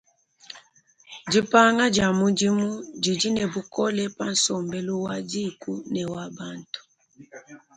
Dipanga dia mudimu didi ne bukole pa nsombelu wa dîku ne wa bantu.